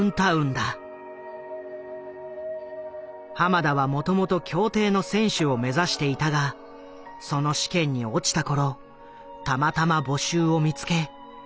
後の浜田はもともと競艇の選手を目指していたがその試験に落ちた頃たまたま募集を見つけ松本を誘った。